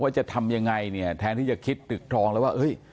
จะทำยังไงเนี่ยแทนที่จะคิดตึกทองแล้วว่าเฮ้ย